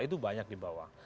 itu banyak di bawah